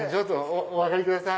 お上がりください。